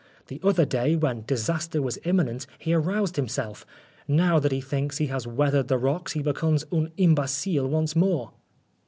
The other day, when disaster was imminent, he aroused himself. Now that he thinks he has weathered the rocks, he becomes un imbecile once more."